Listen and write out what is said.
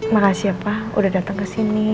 makasih ya pak udah datang ke sini